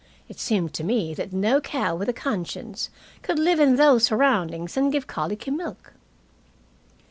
It seemed to me that no cow with a conscience could live in those surroundings and give colicky milk.